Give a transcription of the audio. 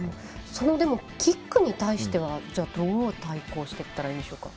ではキックに対してはどう対抗していったらいいですか。